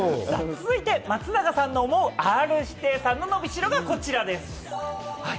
続いては松永さんが思う、Ｒ−指定さんの、のびしろがこちら。